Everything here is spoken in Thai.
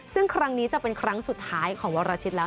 ซึ่งครั้งนี้จะเป็นครั้งสุดท้ายของวรชิตแล้ว